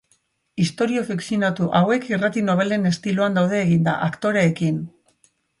Istorio fikzionatu hauek irrati nobelen estiloan daude eginda, aktoreekin.